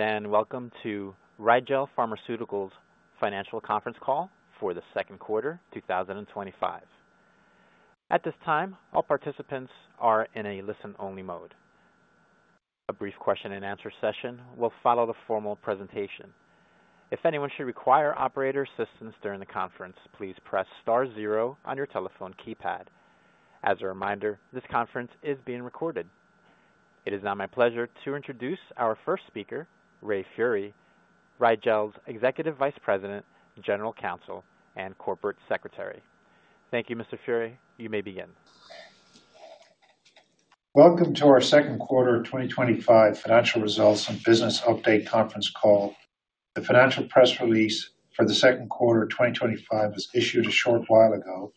Welcome to Rigel Pharmaceuticals' Financial Conference Call for the Second Quarter 2025. At this time, all participants are in a listen-only mode. A brief question-and-answer session will follow the formal presentation. If anyone should require operator assistance during the conference, please press star zero on your telephone keypad. As a reminder, this conference is being recorded. It is now my pleasure to introduce our first speaker, Ray Furey, Rigel's Executive Vice President, General Counsel, and Corporate Secretary. Thank you, Mr. Furey. You may begin. Welcome to our Second Quarter 2025 Financial Results and Business Update Conference Call. The financial press release for the second quarter 2025 was issued a short while ago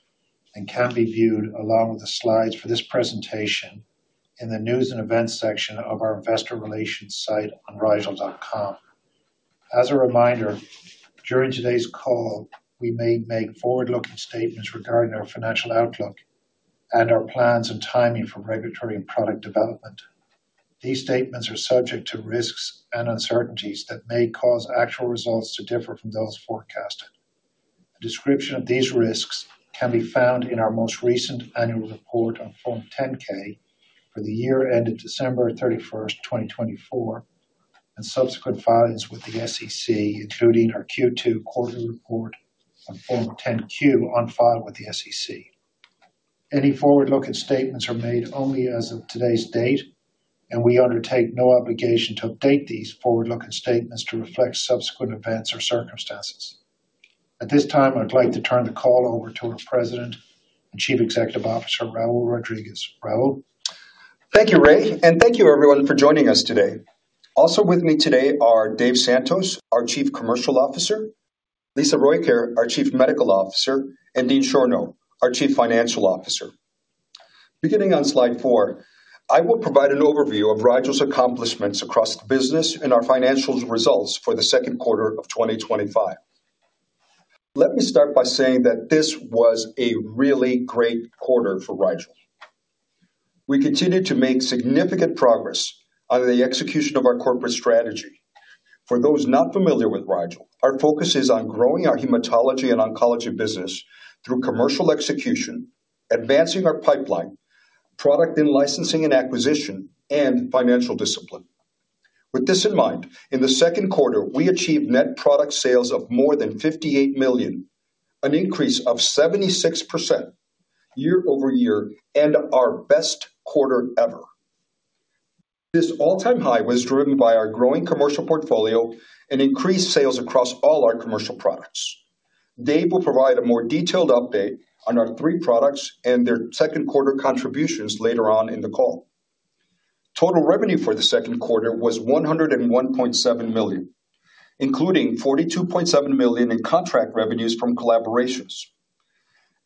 and can be viewed along with the slides for this presentation in the news and events section of our investor relations site on rigel.com. As a reminder, during today's call, we may make forward-looking statements regarding our financial outlook and our plans and timing for regulatory and product development. These statements are subject to risks and uncertainties that may cause actual results to differ from those forecasted. A description of these risks can be found in our most recent annual report on Form 10-K for the year ended December 31st, 2024, and subsequent filings with the SEC, including our Q2 quarterly report on Form 10-Q on file with the SEC. Any forward-looking statements are made only as of today's date, and we undertake no obligation to update these forward-looking statements to reflect subsequent events or circumstances. At this time, I'd like to turn the call over to our President and Chief Executive Officer, Raul Rodriguez. Raul. Thank you, Ray, and thank you everyone for joining us today. Also with me today are Dave Santos, our Chief Commercial Officer, Lisa Rojkjaer, our Chief Medical Officer, and Dean Schorno, our Chief Financial Officer. Beginning on slide four, I will provide an overview of Rigel's accomplishments across the business and our financial results for the second quarter of 2025. Let me start by saying that this was a really great quarter for Rigel. We continued to make significant progress on the execution of our corporate strategy. For those not familiar with Rigel, our focus is on growing our hematology and oncology business through commercial execution, advancing our pipeline, product in-licensing and acquisition, and financial discipline. With this in mind, in the second quarter, we achieved net product sales of more than $58 million, an increase of 76% year-over-year and our best quarter ever. This all-time high was driven by our growing commercial portfolio and increased sales across all our commercial products. Dave will provide a more detailed update on our three products and their second quarter contributions later on in the call. Total revenue for the second quarter was $101.7 million, including $42.7 million in contract revenues from collaborations.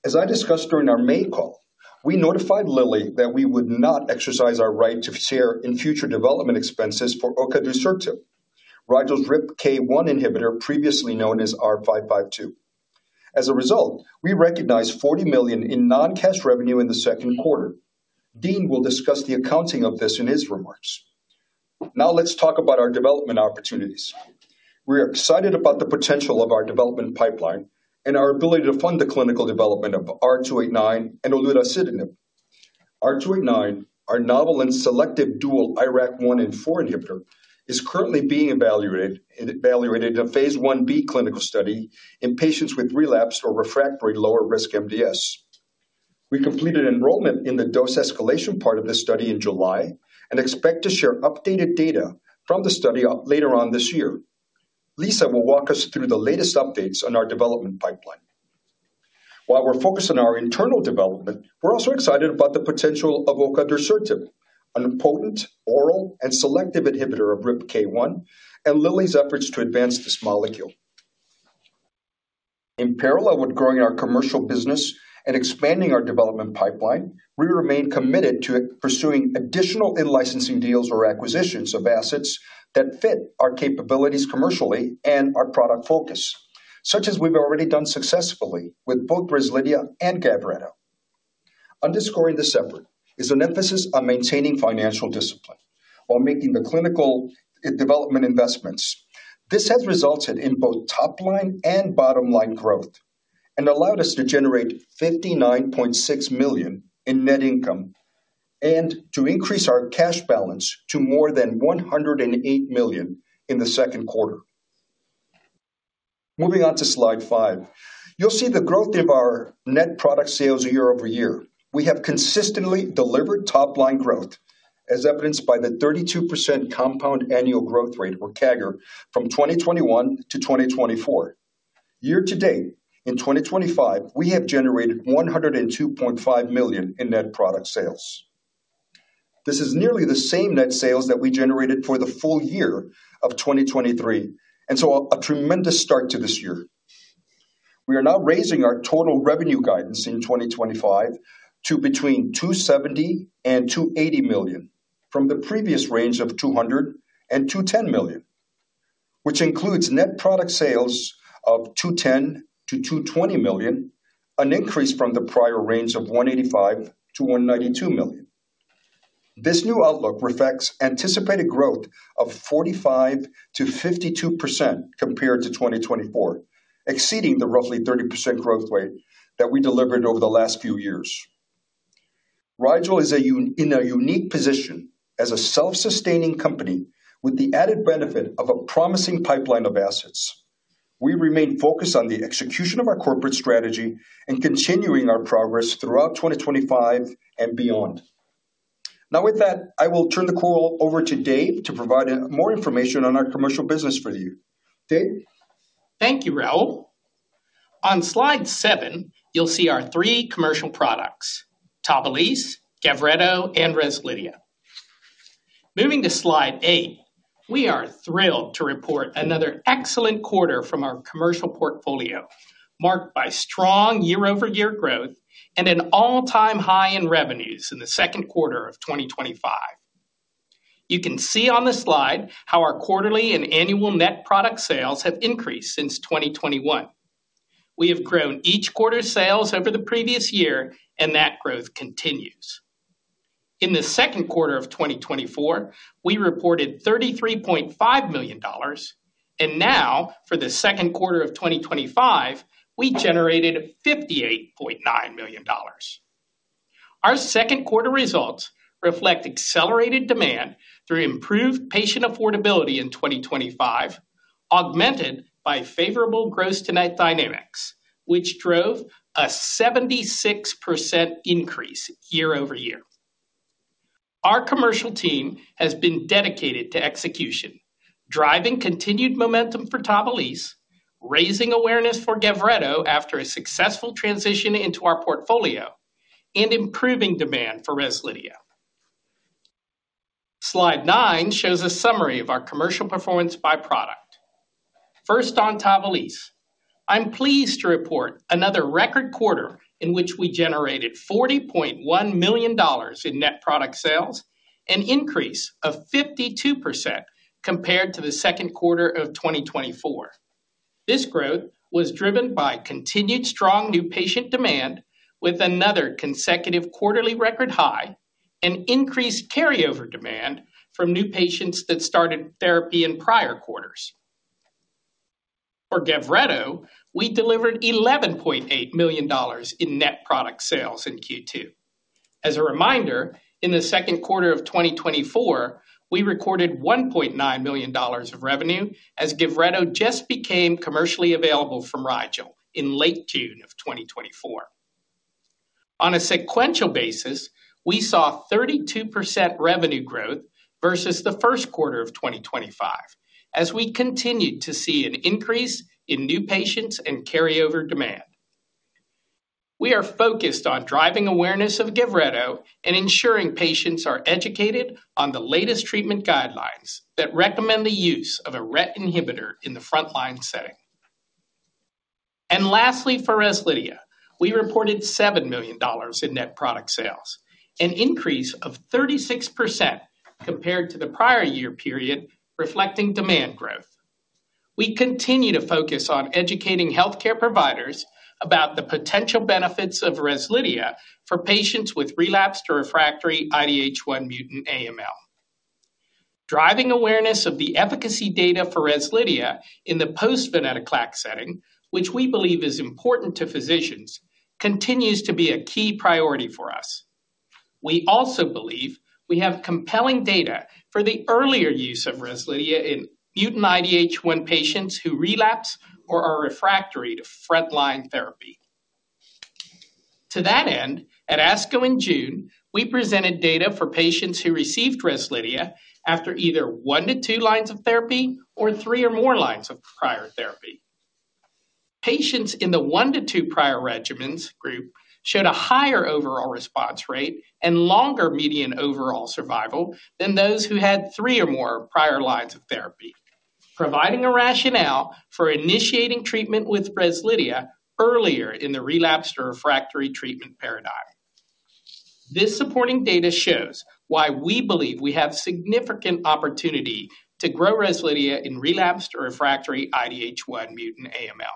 As I discussed during our May call, we notified Lilly that we would not exercise our right to share in future development expenses for ocadusertib, Rigel's RIPK1 inhibitor, previously known as R552. As a result, we recognized $40 million in non-cash revenue in the second quarter. Dean will discuss the accounting of this in his remarks. Now let's talk about our development opportunities. We are excited about the potential of our development pipeline and our ability to fund the clinical development of R289 and olutasidenib. R289, our novel and selective dual IRAK1/4 inhibitor, is currently being evaluated in a phase I-B clinical study in patients with relapsed or refractory lower-risk MDS. We completed enrollment in the dose escalation part of the study in July and expect to share updated data from the study later on this year. Lisa will walk us through the latest updates on our development pipeline. While we're focused on our internal development, we're also excited about the potential of ocadusertib, a potent oral and selective inhibitor of RIPK1, and Lilly's efforts to advance this molecule. In parallel with growing our commercial business and expanding our development pipeline, we remain committed to pursuing additional in-licensing deals or acquisitions of assets that fit our capabilities commercially and our product focus, such as we've already done successfully with both REZLIDHIA and GAVRETO. Underscoring this effort is an emphasis on maintaining financial discipline while making the clinical development investments. This has resulted in both top-line and bottom-line growth and allowed us to generate $59.6 million in net income and to increase our cash balance to more than $108 million in the second quarter. Moving on to slide five, you'll see the growth of our net product sales year-over-year. We have consistently delivered top-line growth, as evidenced by the 32% compound annual growth rate, or CAGR, from 2021 to 2024. Year to date, in 2025, we have generated $102.5 million in net product sales. This is nearly the same net sales that we generated for the full year of 2023, and so a tremendous start to this year. We are now raising our total revenue guidance in 2025 to between $270 million and $280 million from the previous range of $200 million and $210 million, which includes net product sales of $210 million to $220 million, an increase from the prior range of $185 million to $192 million. This new outlook reflects anticipated growth of 45%-52% compared to 2024, exceeding the roughly 30% growth rate that we delivered over the last few years. Rigel is in a unique position as a self-sustaining company with the added benefit of a promising pipeline of assets. We remain focused on the execution of our corporate strategy and continuing our progress throughout 2025 and beyond. Now, with that, I will turn the call over to Dave to provide more information on our commercial business for you. Dave? Thank you, Raul. On slide seven, you'll see our three commercial products: TAVALISSE, GAVRETO, and REZLIDHIA. Moving to slide eight, we are thrilled to report another excellent quarter from our commercial portfolio, marked by strong year-over-year growth and an all-time high in revenues in the second quarter of 2025. You can see on the slide how our quarterly and annual net product sales have increased since 2021. We have grown each quarter's sales over the previous year, and that growth continues. In the second quarter of 2024, we reported $33.5 million, and now, for the second quarter of 2025, we generated $58.9 million. Our second quarter results reflect accelerated demand through improved patient affordability in 2025, augmented by favorable growth dynamics, which drove a 76% increase year-over-year. Our commercial team has been dedicated to execution, driving continued momentum for TAVALISSE, raising awareness for GAVRETO after a successful transition into our portfolio, and improving demand for REZLIDHIA. Slide nine shows a summary of our commercial performance by product. First on TAVALISSE, I'm pleased to report another record quarter in which we generated $40.1 million in net product sales, an increase of 52% compared to the second quarter of 2024. This growth was driven by continued strong new patient demand, with another consecutive quarterly record high, and increased carryover demand from new patients that started therapy in prior quarters. For GAVRETO, we delivered $11.8 million in net product sales in Q2. As a reminder, in the second quarter of 2024, we recorded $1.9 million of revenue as GAVRETO just became commercially available from Rigel in late June of 2024. On a sequential basis, we saw 32% revenue growth versus the first quarter of 2025, as we continued to see an increase in new patients and carryover demand. We are focused on driving awareness of GAVRETO and ensuring patients are educated on the latest treatment guidelines that recommend the use of a RET inhibitor in the front-line setting. Lastly, for REZLIDHIA, we reported $7 million in net product sales, an increase of 36% compared to the prior year period, reflecting demand growth. We continue to focus on educating healthcare providers about the potential benefits of REZLIDHIA for patients with relapsed or refractory IDH1-mutant AML. Driving awareness of the efficacy data for REZLIDHIA in the post-venetoclax setting, which we believe is important to physicians, continues to be a key priority for us. We also believe we have compelling data for the earlier use of REZLIDHIA in mutant IDH1 patients who relapse or are refractory to front-line therapy. To that end, at ASCO in June, we presented data for patients who received REZLIDHIA after either one to two lines of therapy or three or more lines of prior therapy. Patients in the one to two prior regimens group showed a higher overall response rate and longer median overall survival than those who had three or more prior lines of therapy, providing a rationale for initiating treatment with REZLIDHIA earlier in the relapsed or refractory treatment paradigm. This supporting data shows why we believe we have significant opportunity to grow REZLIDHIA in relapsed or refractory IDH1-mutant AML.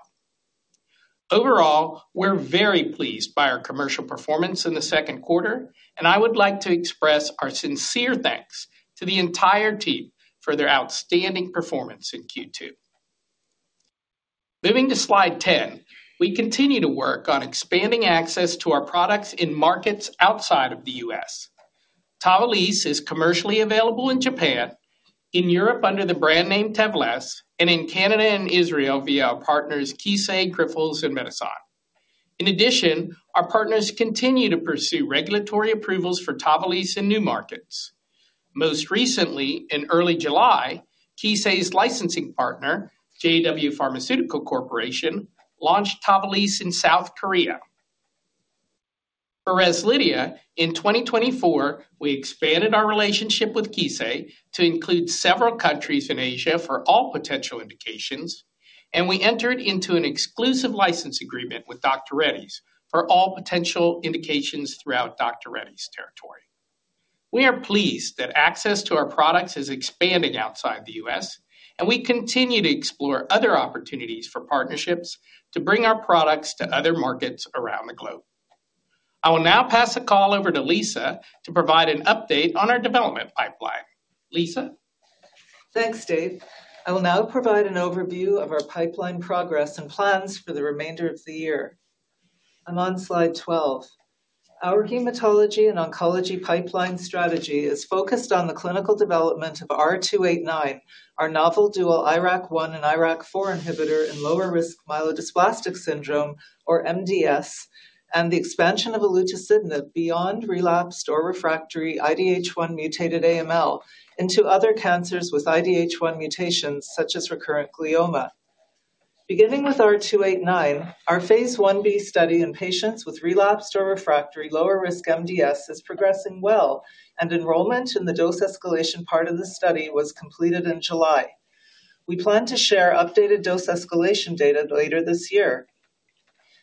Overall, we're very pleased by our commercial performance in the second quarter, and I would like to express our sincere thanks to the entire team for their outstanding performance in Q2. Moving to slide 10, we continue to work on expanding access to our products in markets outside of the U.S. TAVALISSE is commercially available in Japan, in Europe under the brand name TAVLESSE, and in Canada and Israel via our partners Kissei, Grifols, and Medison. In addition, our partners continue to pursue regulatory approvals for TAVALISSE in new markets. Most recently, in early July, Kissei's licensing partner, JW Pharmaceutical Corporation, launched TAVALISSE in South Korea. For REZLIDHIA, in 2024, we expanded our relationship with Kissei to include several countries in Asia for all potential indications, and we entered into an exclusive license agreement with Dr. Reddy's for all potential indications throughout Dr. Reddy's territory. We are pleased that access to our products is expanding outside the U.S., and we continue to explore other opportunities for partnerships to bring our products to other markets around the globe. I will now pass the call over to Lisa to provide an update on our development pipeline. Lisa? Thanks, Dave. I will now provide an overview of our pipeline progress and plans for the remainder of the year. I'm on slide 12. Our hematology and oncology pipeline strategy is focused on the clinical development of R289, our novel dual IRAK1/4 inhibitor in lower-risk myelodysplastic syndrome, or MDS, and the expansion of olutasidenib beyond relapsed or refractory IDH1-mutated AML into other cancers with IDH1 mutations, such as recurrent glioma. Beginning with R289, our phase I-B study in patients with relapsed or refractory lower-risk MDS is progressing well, and enrollment in the dose escalation part of the study was completed in July. We plan to share updated dose escalation data later this year.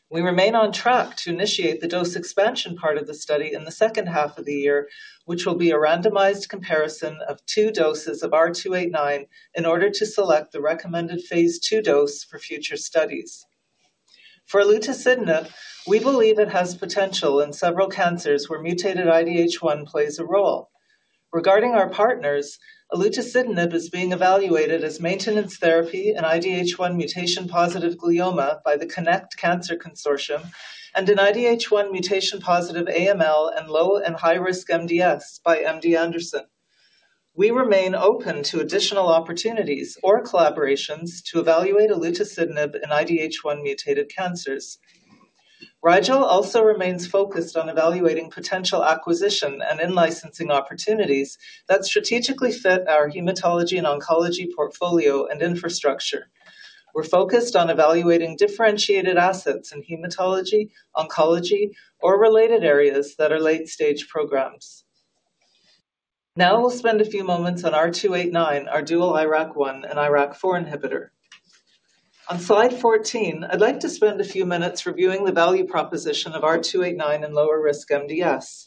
We remain on track to initiate the dose expansion part of the study in the second half of the year, which will be a randomized comparison of two doses of R289 in order to select the recommended phase II dose for future studies. For olutasidenib, we believe it has potential in several cancers where mutated IDH1 plays a role. Regarding our partners, olutasidenib is being evaluated as maintenance therapy in IDH1 mutation-positive glioma by the CONNECT Cancer Consortium and in IDH1 mutation-positive AML and low and high-risk MDS by MD Anderson. We remain open to additional opportunities or collaborations to evaluate olutasidenib in IDH1-mutated cancers. Rigel also remains focused on evaluating potential acquisition and in-licensing opportunities that strategically fit our hematology and oncology portfolio and infrastructure. We're focused on evaluating differentiated assets in hematology, oncology, or related areas that are late-stage programs. Now, we'll spend a few moments on R289, our dual IRAK1/4 inhibitor. On slide 14, I'd like to spend a few minutes reviewing the value proposition of R289 in lower-risk MDS.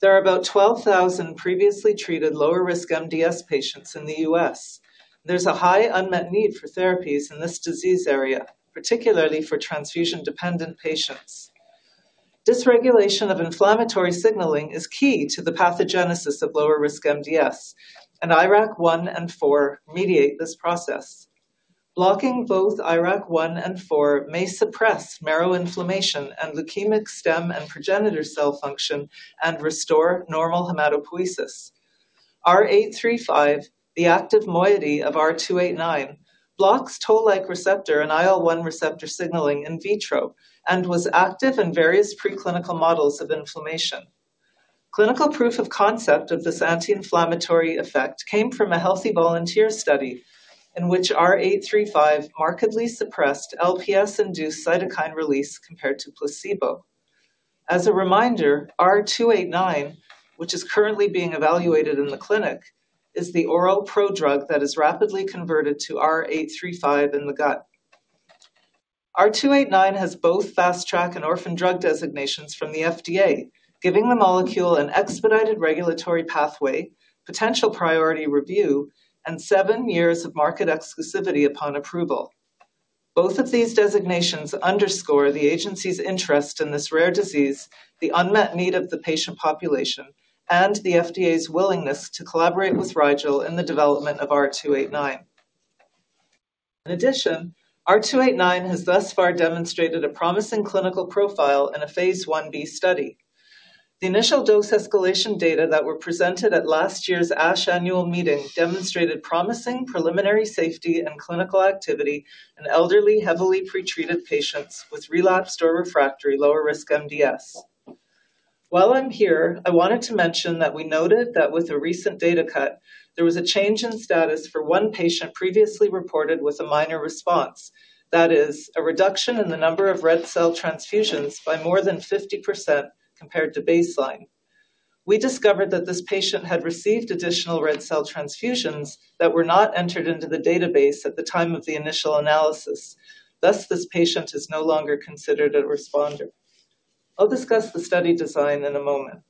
There are about 12,000 previously treated lower-risk MDS patients in the U.S. There's a high unmet need for therapies in this disease area, particularly for transfusion-dependent patients. Dysregulation of inflammatory signaling is key to the pathogenesis of lower-risk MDS, and IRAK1/4 mediate this process. Blocking both IRAK1/4 may suppress marrow inflammation and leukemic stem and progenitor cell function and restore normal hematopoiesis. R835, the active moiety of R289, blocks toll-like receptor and IL-1 receptor signaling in vitro and was active in various preclinical models of inflammation. Clinical proof of concept of this anti-inflammatory effect came from a healthy volunteer study in which R835 markedly suppressed LPS-induced cytokine release compared to placebo. As a reminder, R289, which is currently being evaluated in the clinic, is the oral prodrug that is rapidly converted to R835 in the gut. R289 has both Fast Track and Orphan Drug designations from the FDA, giving the molecule an expedited regulatory pathway, potential priority review, and seven years of market exclusivity upon approval. Both of these designations underscore the agency's interest in this rare disease, the unmet need of the patient population, and the FDA's willingness to collaborate with Rigel in the development of R289. In addition, R289 has thus far demonstrated a promising clinical profile in a phase I-B study. The initial dose escalation data that were presented at last year's ASH Annual Meeting demonstrated promising preliminary safety and clinical activity in elderly, heavily pretreated patients with relapsed or refractory lower-risk MDS. While I'm here, I wanted to mention that we noted that with a recent data cut, there was a change in status for one patient previously reported with a minor response, that is, a reduction in the number of red cell transfusions by more than 50% compared to baseline. We discovered that this patient had received additional red cell transfusions that were not entered into the database at the time of the initial analysis. Thus, this patient is no longer considered a responder. I'll discuss the study design in a moment.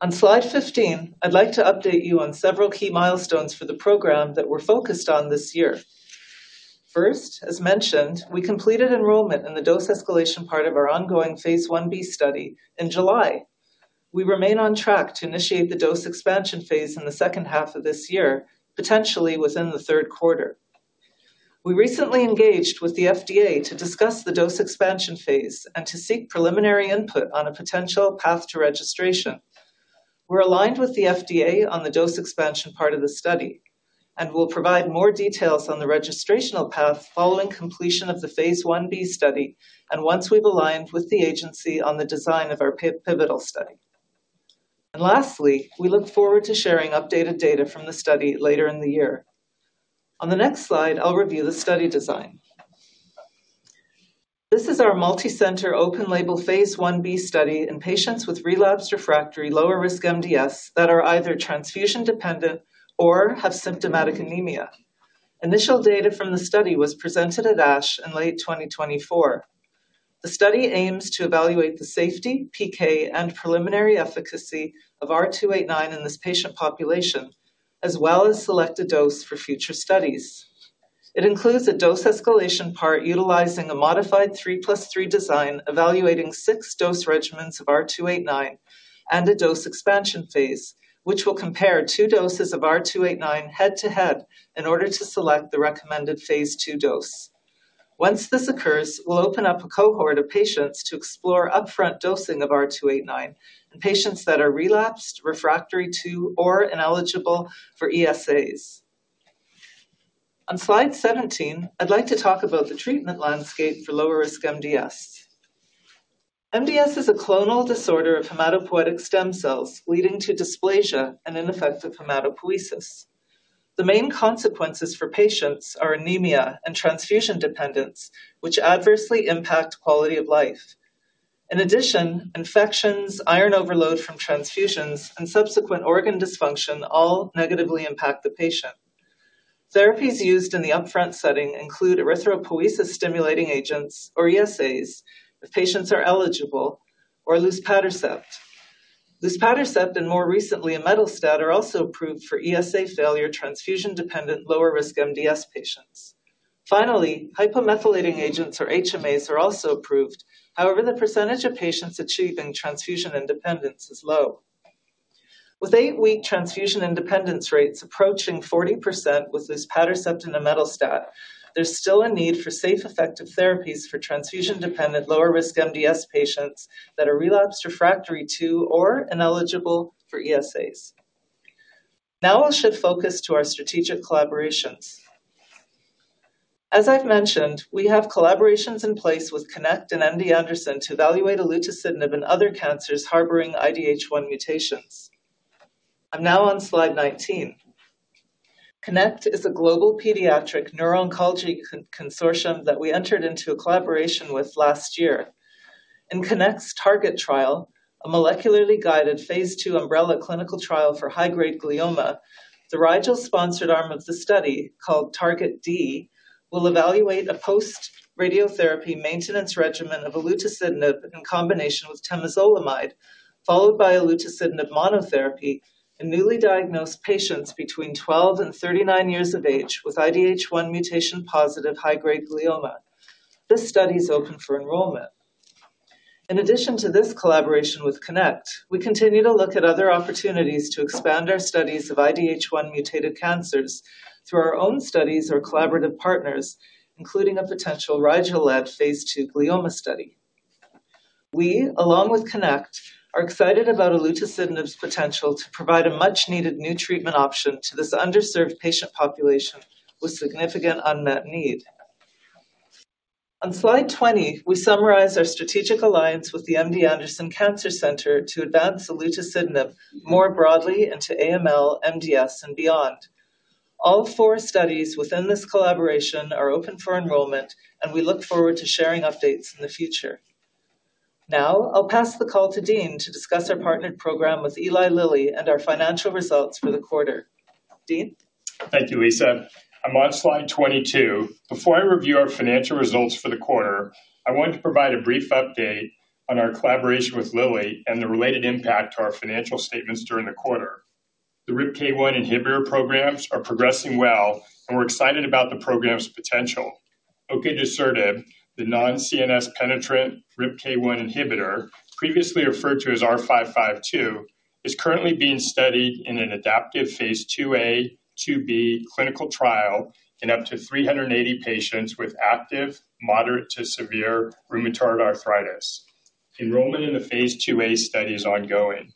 On slide 15, I'd like to update you on several key milestones for the program that we're focused on this year. First, as mentioned, we completed enrollment in the dose escalation part of our ongoing phase I-B study in July. We remain on track to initiate the dose expansion phase in the second half of this year, potentially within the third quarter. We recently engaged with the FDA to discuss the dose expansion phase and to seek preliminary input on a potential path to registration. We're aligned with the FDA on the dose expansion part of the study and will provide more details on the registrational path following completion of the phase I-B study and once we've aligned with the agency on the design of our pivotal study. Lastly, we look forward to sharing updated data from the study later in the year. On the next slide, I'll review the study design. This is our multicenter open-label phase I-B study in patients with relapsed refractory lower-risk MDS that are either transfusion-dependent or have symptomatic anemia. Initial data from the study was presented at ASH in late 2024. The study aims to evaluate the safety, PK, and preliminary efficacy of R289 in this patient population, as well as select a dose for future studies. It includes a dose escalation part utilizing a modified 3 + 3 design evaluating six dose regimens of R289 and a dose expansion phase, which will compare two doses of R289 head-to-head in order to select the recommended phase II dose. Once this occurs, we'll open up a cohort of patients to explore upfront dosing of R289 in patients that are relapsed, refractory to, or ineligible for ESAs. On slide 17, I'd like to talk about the treatment landscape for lower-risk MDS. MDS is a clonal disorder of hematopoietic stem cells leading to dysplasia and ineffective hematopoiesis. The main consequences for patients are anemia and transfusion dependence, which adversely impact quality of life. In addition, infections, iron overload from transfusions, and subsequent organ dysfunction all negatively impact the patient. Therapies used in the upfront setting include erythropoiesis-stimulating agents, or ESAs, if patients are eligible, or luspatercept. Luspatercept and more recently imetastat are also approved for ESA failure transfusion-dependent lower-risk MDS patients. Finally, hypomethylating agents, or HMAs, are also approved, however, the percentage of patients achieving transfusion independence is low. With eight-week transfusion independence rates approaching 40% with luspatercept and imetastat, there's still a need for safe, effective therapies for transfusion-dependent lower-risk MDS patients that are relapsed refractory to or ineligible for ESAs. Now I'll shift focus to our strategic collaborations. As I've mentioned, we have collaborations in place with CONNECT and MD Anderson to evaluate olutasidenib in other cancers harboring IDH1 mutations. I'm now on slide 19. CONNECT is a global pediatric neuro-oncology consortium that we entered into a collaboration with last year. In CONNECT's TarGeT trial, a molecularly guided phase II umbrella clinical trial for high-grade glioma, the Rigel-sponsored arm of the study, called TarGeT-D, will evaluate a post-radiotherapy maintenance regimen of olutasidenib in combination with temozolomide, followed by olutasidenib monotherapy in newly diagnosed patients between 12 and 39 years of age with IDH1 mutation-positive high-grade glioma. This study is open for enrollment. In addition to this collaboration with CONNECT, we continue to look at other opportunities to expand our studies of IDH1-mutated cancers through our own studies or collaborative partners, including a potential Rigel-led phase II glioma study. We, along with CONNECT, are excited about olutasidenib's potential to provide a much-needed new treatment option to this underserved patient population with significant unmet need. On slide 20, we summarize our strategic alliance with the MD Anderson Cancer Center to advance olutasidenib more broadly into AML, MDS, and beyond. All four studies within this collaboration are open for enrollment, and we look forward to sharing updates in the future. Now, I'll pass the call to Dean to discuss our partnered program with Eli Lilly and our financial results for the quarter. Dean? Thank you, Lisa. I'm on slide 22. Before I review our financial results for the quarter, I wanted to provide a brief update on our collaboration with Lilly and the related impact to our financial statements during the quarter. The RIPK1 inhibitor programs are progressing well, and we're excited about the program's potential. Ocadusertib, the non-CNS penetrant RIPK1 inhibitor, previously referred to as R552, is currently being studied in an adaptive phase II-A, II-B clinical trial in up to 380 patients with active, moderate to severe rheumatoid arthritis. Enrollment in the phase II-A study is ongoing.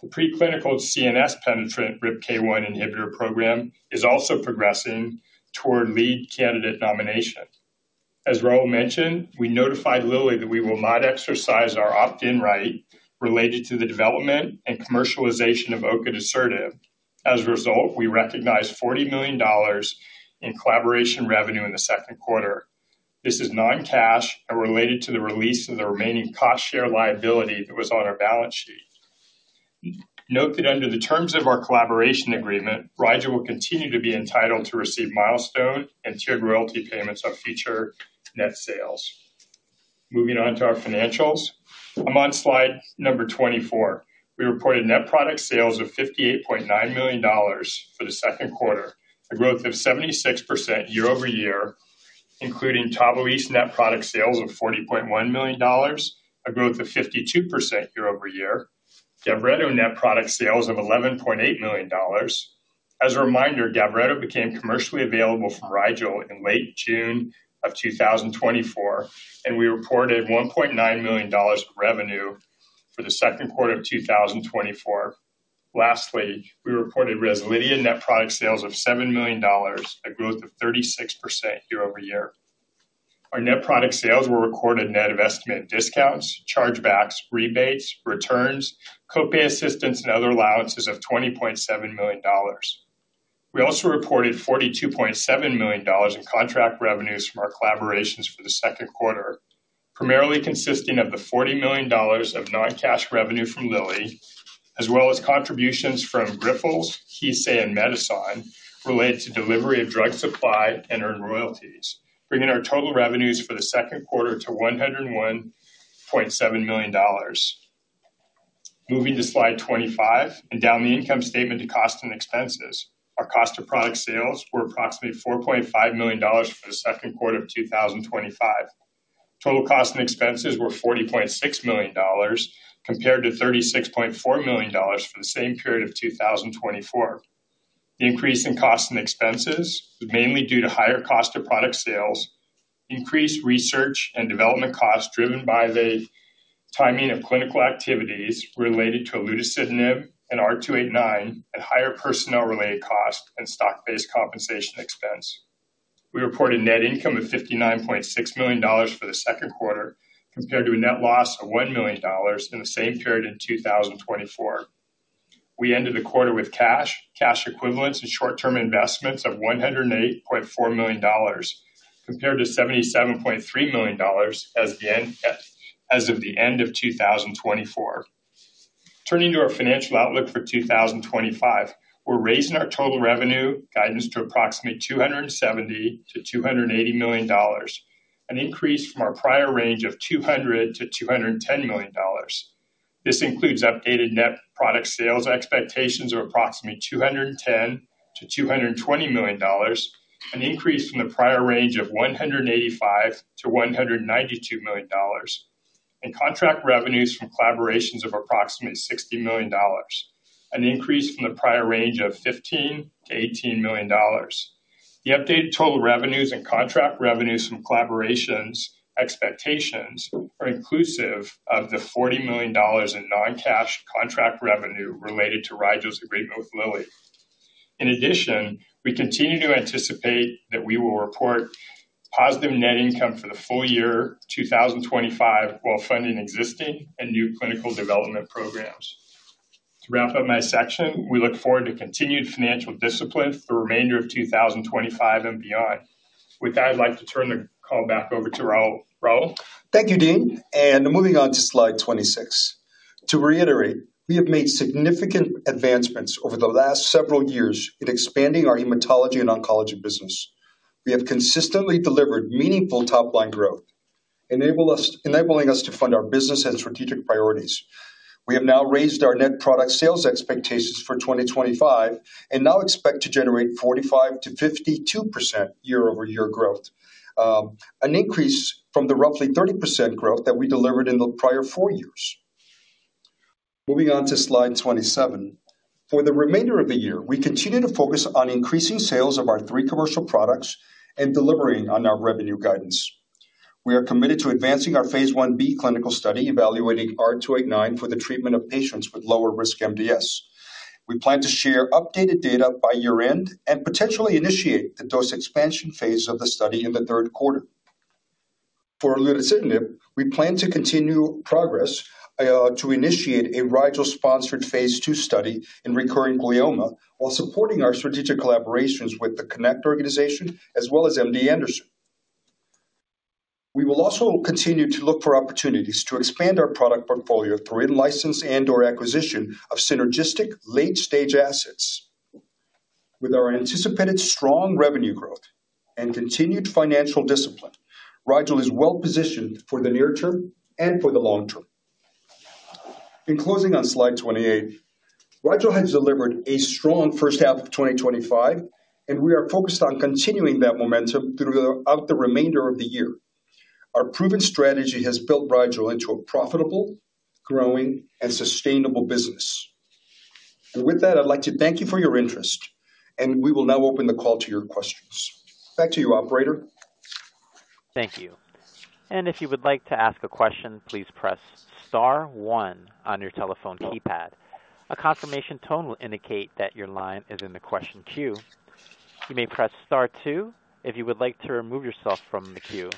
The preclinical CNS penetrant RIPK1 inhibitor program is also progressing toward lead candidate nomination. As Raul mentioned, we notified Lilly that we will not exercise our opt-in right related to the development and commercialization of ocadusertib. As a result, we recognize $40 million in collaboration revenue in the second quarter. This is non-cash and related to the release of the remaining cost-share liability that was on our balance sheet. Note that under the terms of our collaboration agreement, Rigel will continue to be entitled to receive milestone and tiered royalty payments on future net sales. Moving on to our financials, I'm on slide number 24. We reported net product sales of $58.9 million for the second quarter, a growth of 76% year-over-year, including TAVALISSE net product sales of $40.1 million, a growth of 52% year-over-year, GAVRETO net product sales of $11.8 million. As a reminder, GAVRETO became commercially available from Rigel in late June of 2024, and we reported $1.9 million in revenue for the second quarter of 2024. Lastly, we reported REZLIDHIA net product sales of $7 million, a growth of 36% year-over-year. Our net product sales were recorded net of estimated discounts, chargebacks, rebates, returns, copay assistance, and other allowances of $20.7 million. We also reported $42.7 million in contract revenues from our collaborations for the second quarter, primarily consisting of the $40 million of non-cash revenue from Lilly, as well as contributions from Grifols, Kissei, and Medison related to delivery of drug supply and earned royalties, bringing our total revenues for the second quarter to $101.7 million. Moving to slide 25 and down the income statement to cost and expenses, our cost of product sales were approximately $4.5 million for the second quarter of 2025. Total cost and expenses were $40.6 million compared to $36.4 million for the same period of 2024. The increase in costs and expenses was mainly due to higher cost of product sales, increased research and development costs driven by the timing of clinical activities related to olutasidenib and R289, and higher personnel-related costs and stock-based compensation expense. We reported net income of $59.6 million for the second quarter compared to a net loss of $1 million in the same period in 2024. We ended the quarter with cash, cash equivalents, and short-term investments of $108.4 million compared to $77.3 million as of the end of 2024. Turning to our financial outlook for 2025, we're raising our total revenue guidance to approximately $270 million-$280 million, an increase from our prior range of $200 million-$210 million. This includes updated net product sales expectations of approximately $210 million-$220 million, an increase from the prior range of $185 million-$192 million, and contract revenues from collaborations of approximately $60 million, an increase from the prior range of $15 million-$18 million. The updated total revenues and contract revenues from collaborations expectations are inclusive of the $40 million in non-cash contract revenue related to Rigel's agreement with Lilly. In addition, we continue to anticipate that we will report positive net income for the full year 2025 while funding existing and new clinical development programs. To wrap up my section, we look forward to continued financial discipline for the remainder of 2025 and beyond. With that, I'd like to turn the call back over to Raul. Thank you, Dean. Moving on to slide 26. To reiterate, we have made significant advancements over the last several years in expanding our hematology and oncology business. We have consistently delivered meaningful top-line growth, enabling us to fund our business and strategic priorities. We have now raised our net product sales expectations for 2025 and now expect to generate 45%-52% year-over-year growth, an increase from the roughly 30% growth that we delivered in the prior four years. Moving on to slide 27. For the remainder of the year, we continue to focus on increasing sales of our three commercial products and delivering on our revenue guidance. We are committed to advancing our phase I-B clinical study, evaluating R289 for the treatment of patients with lower-risk MDS. We plan to share updated data by year-end and potentially initiate the dose expansion phase of the study in the third quarter. For olutasidenib, we plan to continue progress to initiate a Rigel-sponsored phase II study in recurrent glioma while supporting our strategic collaborations with the CONNECT organization as well as MD Anderson. We will also continue to look for opportunities to expand our product portfolio through in-license and/or acquisition of synergistic late-stage assets. With our anticipated strong revenue growth and continued financial discipline, Rigel is well positioned for the near term and for the long term. In closing on slide 28, Rigel has delivered a strong first half of 2025, and we are focused on continuing that momentum throughout the remainder of the year. Our proven strategy has built Rigel into a profitable, growing, and sustainable business. With that, I'd like to thank you for your interest, and we will now open the call to your questions. Back to you, operator. Thank you. If you would like to ask a question, please press star one on your telephone keypad. A confirmation tone will indicate that your line is in the question queue. You may press star two if you would like to remove yourself from the queue.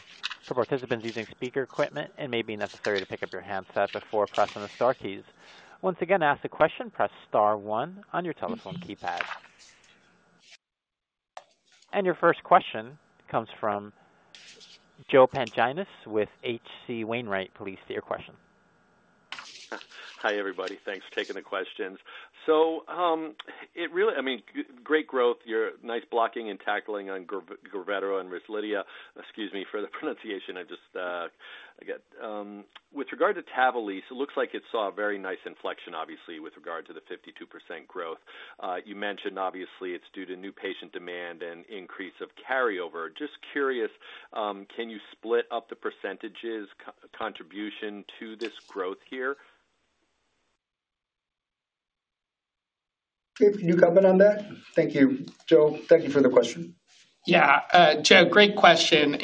For participants using speaker equipment, it may be necessary to pick up your handset before pressing the star keys. Once again, to ask a question, press star one on your telephone keypad. Your first question comes from Joe Pantginis with H.C. Wainwright. Please state your question. Hi everybody. Thanks for taking the questions. It really, I mean, great growth. Nice blocking and tackling on GAVRETO and REZLIDHIA. Excuse me for the pronunciation. With regard to TAVALISSE, it looks like it saw a very nice inflection, obviously, with regard to the 52% growth. You mentioned, obviously, it's due to new patient demand and increase of carryover. Just curious, can you split up the percentages contribution to this growth here? Dave, can you comment on that? Thank you, Joe. Thank you for the question. Yeah, Joe, great question.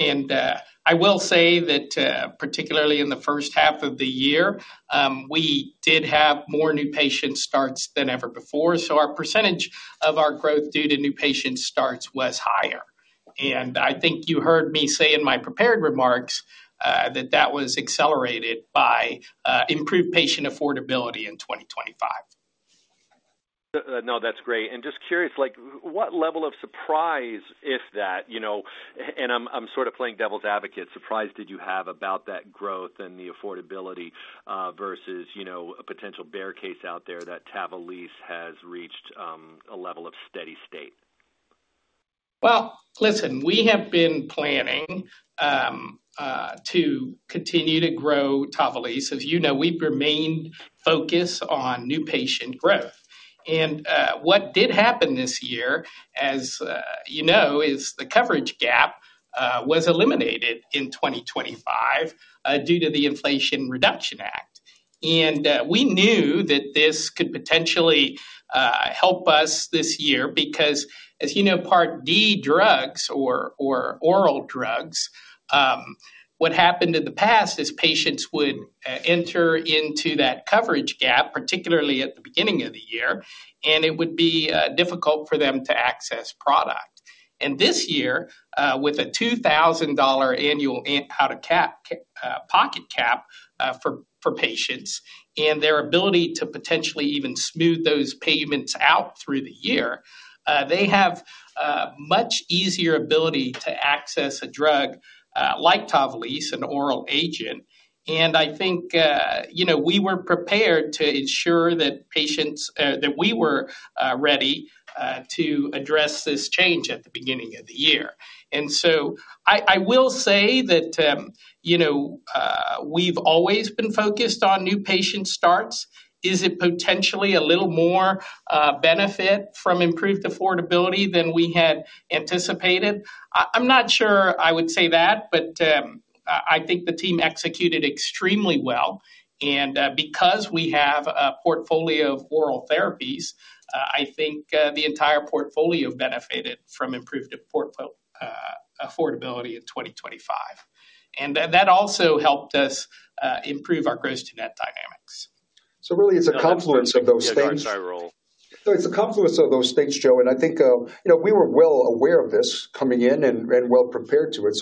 I will say that, particularly in the first half of the year, we did have more new patient starts than ever before. Our percentage of our growth due to new patient starts was higher. I think you heard me say in my prepared remarks that that was accelerated by improved patient affordability in 2025. No, that's great. Just curious, what level of surprise, if any, and I'm sort of playing devil's advocate, surprise did you have about that growth and the affordability, versus a potential bear case out there that TAVALISSE has reached a level of steady state? We have been planning to continue to grow TAVALISSE. As you know, we've remained focused on new patient growth. What did happen this year, as you know, is the coverage gap was eliminated in 2025 due to the Inflation Reduction Act. We knew that this could potentially help us this year because, as you know, Part D drugs or oral drugs, what happened in the past is patients would enter into that coverage gap, particularly at the beginning of the year, and it would be difficult for them to access product. This year, with a $2,000 annual out-of-pocket cap for patients and their ability to potentially even smooth those payments out through the year, they have much easier ability to access a drug like TAVALISSE, an oral agent. I think we were prepared to ensure that patients, that we were ready to address this change at the beginning of the year. I will say that we've always been focused on new patient starts. Is it potentially a little more benefit from improved affordability than we had anticipated? I'm not sure I would say that, but I think the team executed extremely well. Because we have a portfolio of oral therapies, I think the entire portfolio benefited from improved affordability in 2025. That also helped us improve our gross-to-net dynamics. It's a confluence of those things. It's a confluence of those things, Joe. I think we were well aware of this coming in and well prepared to it.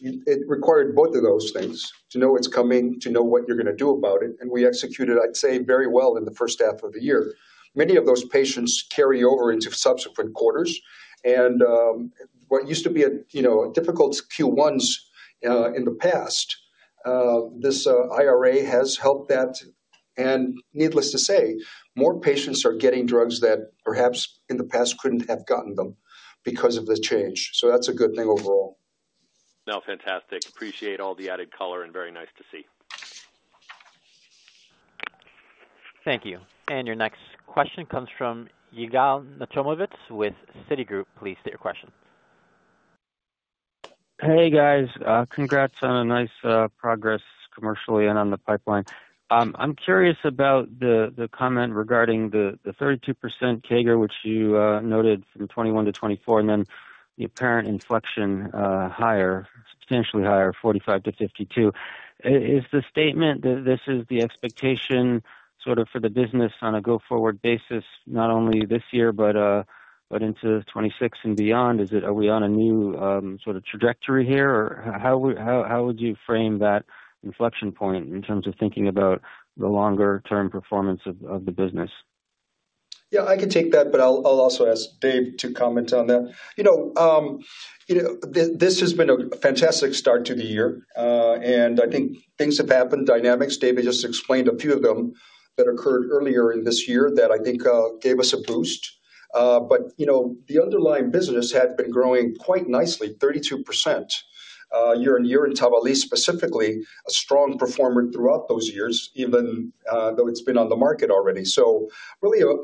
It required both of those things to know it's coming, to know what you're going to do about it. We executed, I'd say, very well in the first half of the year. Many of those patients carry over into subsequent quarters. What used to be, you know, difficult Q1s in the past, this IRA has helped that. Needless to say, more patients are getting drugs that perhaps in the past couldn't have gotten them because of the change. That's a good thing overall. No, fantastic. Appreciate all the added color and very nice to see. Thank you. Your next question comes from Yigal Nochomovitz with Citigroup. Please state your question. Hey, guys. Congrats on a nice progress commercially and on the pipeline. I'm curious about the comment regarding the 32% CAGR, which you noted from 2021 to 2024, and then the apparent inflection higher, substantially higher, 45%-52%. Is the statement that this is the expectation sort of for the business on a go-forward basis, not only this year, but into 2026 and beyond? Are we on a new sort of trajectory here? How would you frame that inflection point in terms of thinking about the longer-term performance of the business? Yeah, I can take that, but I'll also ask Dave to comment on that. This has been a fantastic start to the year. I think things have happened, dynamics. Dave has just explained a few of them that occurred earlier in this year that I think gave us a boost. The underlying business had been growing quite nicely, 32% year on year, and TAVALISSE specifically, a strong performer throughout those years, even though it's been on the market already. Really,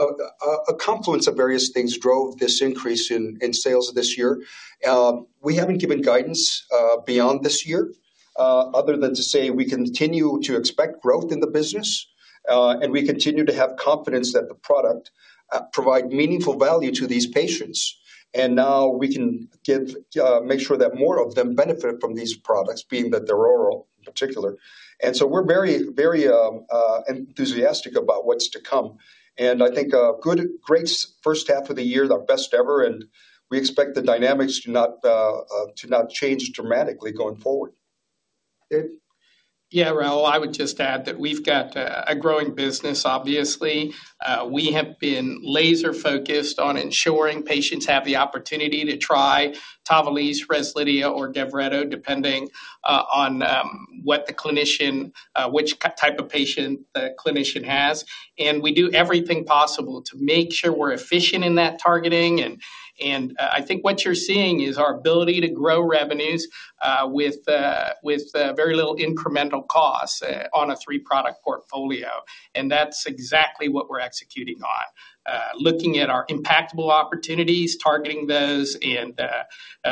a confluence of various things drove this increase in sales this year. We haven't given guidance beyond this year, other than to say we continue to expect growth in the business, and we continue to have confidence that the product provides meaningful value to these patients. Now we can make sure that more of them benefit from these products, being that they're oral in particular. We're very, very enthusiastic about what's to come. I think a good, great first half of the year, the best ever, and we expect the dynamics to not change dramatically going forward. Yeah, Raul, I would just add that we've got a growing business, obviously. We have been laser-focused on ensuring patients have the opportunity to try TAVALISSE, REZLIDHIA, or GAVRETO, depending on what the clinician, which type of patient the clinician has. We do everything possible to make sure we're efficient in that targeting. I think what you're seeing is our ability to grow revenues with very little incremental costs on a three-product portfolio. That's exactly what we're executing on, looking at our impactable opportunities, targeting those,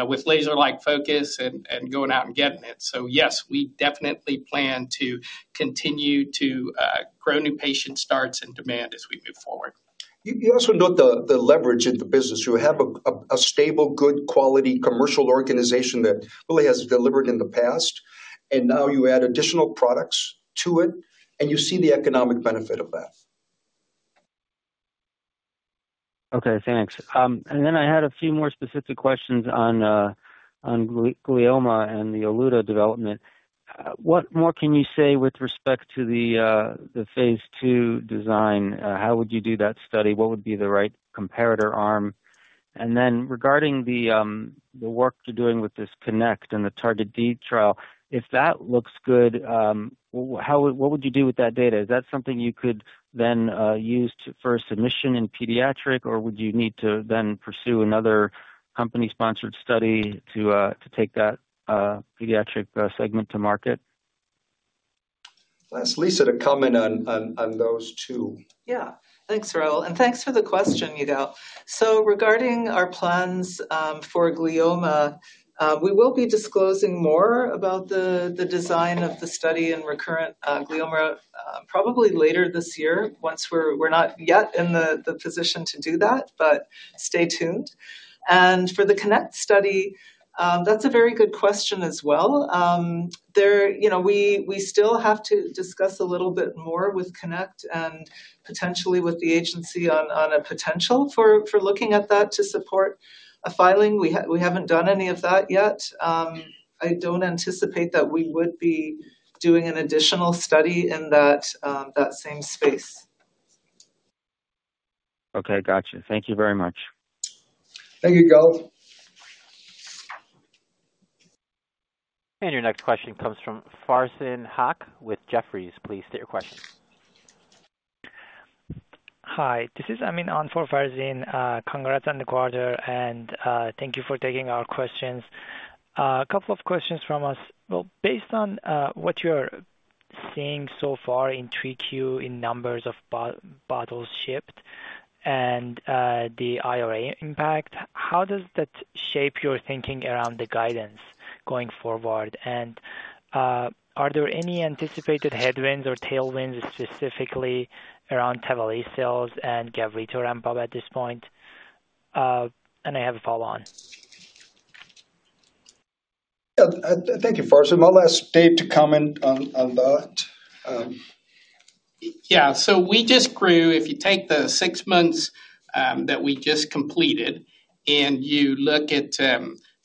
with laser-like focus and going out and getting it. Yes, we definitely plan to continue to grow new patient starts and demand as we move forward. You also note the leverage in the business. You have a stable, good quality commercial organization that really has delivered in the past. Now you add additional products to it, and you see the economic benefit of that. OK, thanks. I had a few more specific questions on glioma and the olutasidenib development. What more can you say with respect to the phase II design? How would you do that study? What would be the right comparator arm? Regarding the work you're doing with this CONNECT and the TarGeT-D trial, if that looks good, what would you do with that data? Is that something you could then use for a submission in pediatric, or would you need to then pursue another company-sponsored study to take that pediatric segment to market? Let's ask Lisa to comment on those two. Thank you, Raul, and thanks for the question, Yigal. Regarding our plans for glioma, we will be disclosing more about the design of the study in recurrent glioma probably later this year. We're not yet in the position to do that, but stay tuned. For the CONNECT study, that's a very good question as well. We still have to discuss a little bit more with CONNECT and potentially with the agency on a potential for looking at that to support a filing. We haven't done any of that yet. I don't anticipate that we would be doing an additional study in that same space. OK, gotcha. Thank you very much. Thank you, Yigal. Your next question comes from Farzin Haque with Jefferies. Please state your question. Hi. This is Amin on for Farzin. Congrats on the quarter, and thank you for taking our questions. A couple of questions from us. Based on what you're seeing so far in 3Q in numbers of bottles shipped and the IRA impact, how does that shape your thinking around the guidance going forward? Are there any anticipated headwinds or tailwinds specifically around TAVALISSE sales and GAVRETO ramp at this point? I have a follow-on. Thank you, Farzin. My last day to comment on that. Yeah, so we just grew, if you take the six months that we just completed, and you look at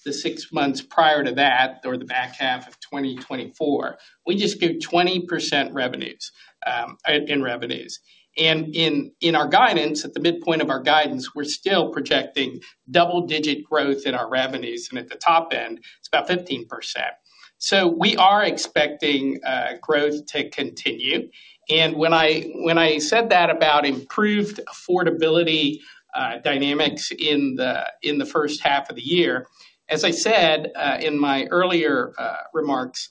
the six months prior to that, or the back half of 2024, we just grew 20% in revenues. In our guidance, at the midpoint of our guidance, we're still projecting double-digit growth in our revenues. At the top end, it's about 15%. We are expecting growth to continue. When I said that about improved affordability dynamics in the first half of the year, as I said in my earlier remarks,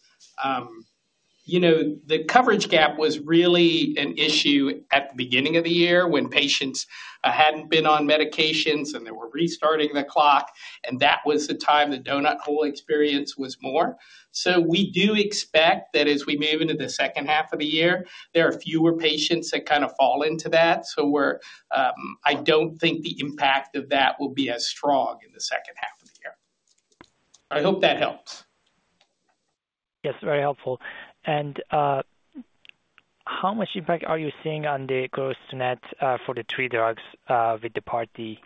the coverage gap was really an issue at the beginning of the year when patients hadn't been on medications and they were restarting the clock. That was the time the donut hole experience was more. We do expect that as we move into the second half of the year, there are fewer patients that kind of fall into that. I don't think the impact of that will be as strong in the second half of the year. I hope that helps. Yes, very helpful. How much impact are you seeing on the gross-to-net for the three drugs with the Part D?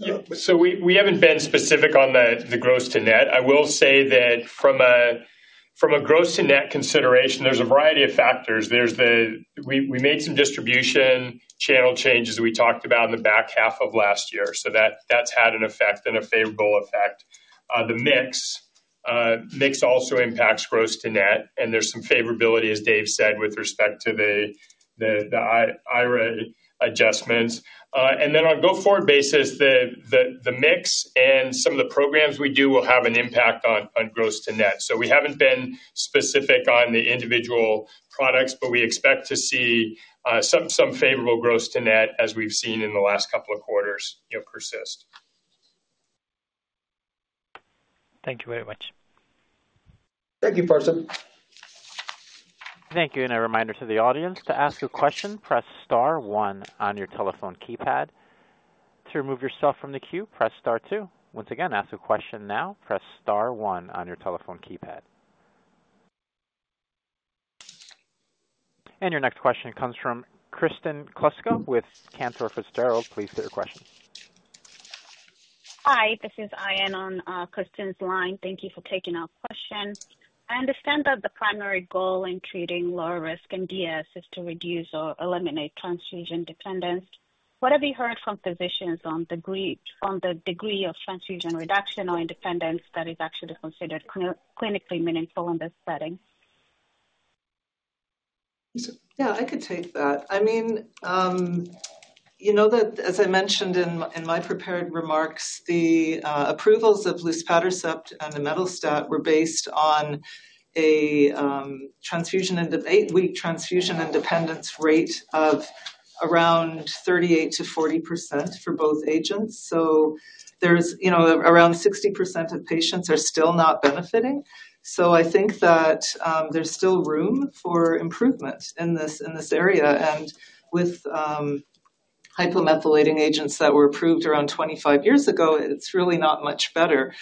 We haven't been specific on the gross-to-net. I will say that from a gross-to-net consideration, there's a variety of factors. We made some distribution channel changes that we talked about in the back half of last year, which has had an effect and a favorable effect. The mix also impacts gross-to-net, and there's some favorability, as Dave said, with respect to the IRA adjustments. On a go-forward basis, the mix and some of the programs we do will have an impact on gross-to-net. We haven't been specific on the individual products, but we expect to see some favorable gross-to-net as we've seen in the last couple of quarters persist. Thank you very much. Thank you, Farzin. Thank you. A reminder to the audience, to ask a question, press star one on your telephone keypad. To remove yourself from the queue, press star two. Once again, to ask a question now, press star one on your telephone keypad. Your next question comes from Kristen Kluska with Cantor Fitzgerald. Please state your question. Hi, this is Ayan on Kristen's line. Thank you for taking our question. I understand that the primary goal in treating lower-risk MDS is to reduce or eliminate transfusion dependence. What have you heard from physicians on the degree of transfusion reduction or independence that is actually considered clinically meaningful in this setting? Yeah, I could take that. I mean, as I mentioned in my prepared remarks, the approvals of luspatercept and imetelstat were based on an eight-week transfusion independence rate of around 38%-40% for both agents. There's around 60% of patients who are still not benefiting. I think that there's still room for improvement in this area. With hypomethylating agents that were approved around 25 years ago, it's really not much better.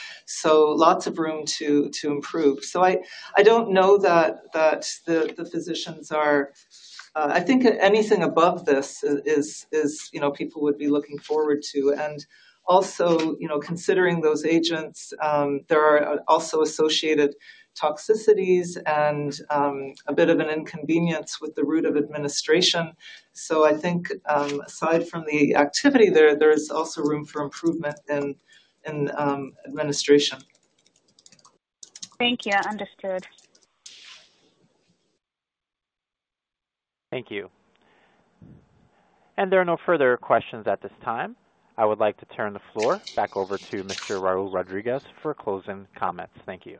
Lots of room to improve. I don't know that the physicians are, I think anything above this is something people would be looking forward to. Also, considering those agents, there are also associated toxicities and a bit of an inconvenience with the route of administration. I think aside from the activity there, there's also room for improvement in administration. Thank you. Understood. Thank you. There are no further questions at this time. I would like to turn the floor back over to Mr. Raul Rodriguez for closing comments. Thank you.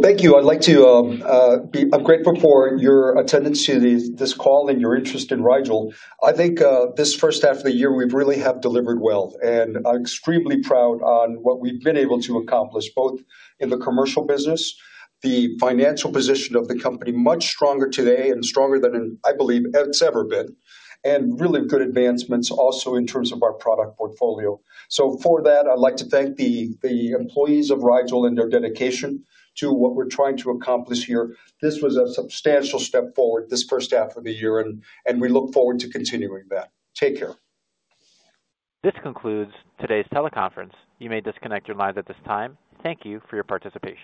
Thank you. I'm grateful for your attendance to this call and your interest in Rigel. I think this first half of the year, we've really delivered well. I'm extremely proud of what we've been able to accomplish, both in the commercial business and the financial position of the company, which is much stronger today and stronger than, I believe, it's ever been, and really good advancements also in terms of our product portfolio. For that, I'd like to thank the employees of Rigel and their dedication to what we're trying to accomplish here. This was a substantial step forward this first half of the year, and we look forward to continuing that. Take care. This concludes today's teleconference. You may disconnect your lines at this time. Thank you for your participation.